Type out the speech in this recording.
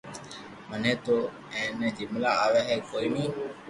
مني تو ايتا جملا آوي ھي ڪوئي ني